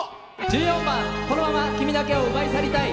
１４番「このまま君だけを奪い去りたい」。